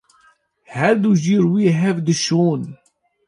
Her du jî rûyê hev dişon.